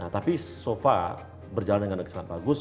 tapi so far berjalan dengan sangat bagus